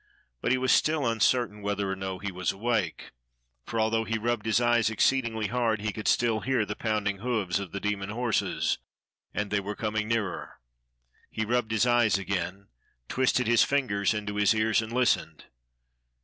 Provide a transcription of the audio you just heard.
But he was still uncertain whether or no he was awake, for although he rubbed his eyes exceedingly hard he could still hear the pounding hoofs of the demon horses, and they were coming nearer. He rubbed his eyes again, twisted his fingers into his ears, and listened.